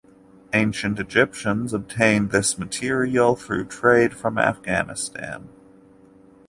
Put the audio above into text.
Ancient Egyptians obtained this material through trade from Afghanistan.